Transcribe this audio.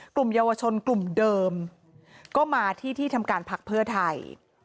กลุ่มเยาวชนกลุ่มเดิมก็มาที่ที่ทำการพักเพื่อไทย